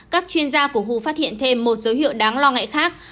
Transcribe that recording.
các chuyên gia của hu phát hiện thêm một dấu hiệu đáng lo ngại khác